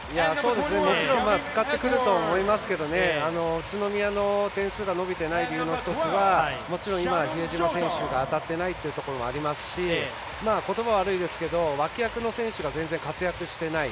もちろん使ってくると思いますけど宇都宮の点数が伸びていない理由の１つはもちろん今、比江島選手が当たってないというところもありますしことばは悪いですけど脇役の選手が全然活躍していない。